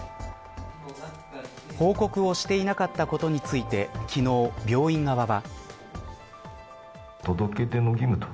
報告をしていなかったことについて昨日、病院側は。